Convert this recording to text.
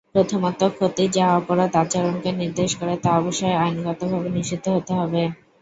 প্রথমত, ক্ষতি যা অপরাধ আচরণকে নির্দেশ করে তা অবশ্যই আইনগতভাবে নিষিদ্ধ হতে হবে।